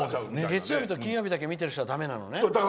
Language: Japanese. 月曜日と金曜日だけ見てる人はだめなのね。